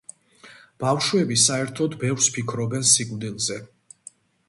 ბავშვები საერთოდ ბევრს ფიქრობენ სიკვდილზე